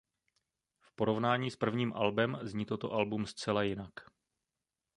V porovnání s prvním albem zní toto album zcela jinak.